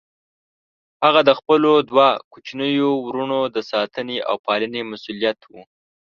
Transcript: هغه د خپلو دوه کوچنيو وروڼو د ساتنې او پالنې مسئوليت و.